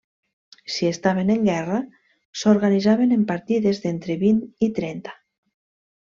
Si estaven en guerra, s'organitzaven en partides d'entre vint i trenta.